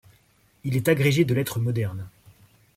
Il est agrégé de lettres modernes.